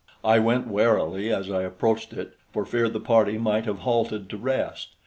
I went warily as I approached it, for fear the party might have halted to rest.